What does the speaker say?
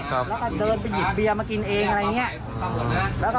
แล้วก็เดินไปหยิบเบียร์มากินเองอะไรอย่างนี้